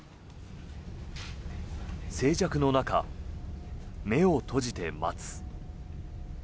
静寂の中、目を閉じて待つ。